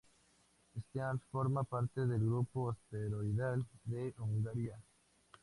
Stearns forma parte del grupo asteroidal de Hungaria.